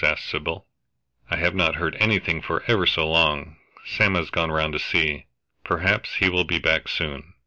asked Sybil. "I have not heard anything for ever so long. Sam has gone round to see perhaps he will be back soon.